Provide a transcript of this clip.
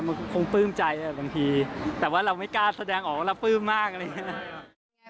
มันคงปลื้มใจบางทีแต่ว่าเราไม่กล้าแสดงออกว่าเราปลื้มมากอะไรอย่างนี้นะครับ